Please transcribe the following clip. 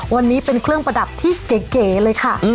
วันนี้เป็นเครื่องประดับที่เก๋เลยค่ะ